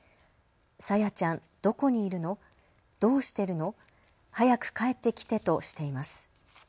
さやちゃん、どこにいるの、どうしてるの、はやくかえってきてとしています。